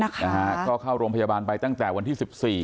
ก็เข้ารงพยาบาลไปตั้งแต่วันที่๑๔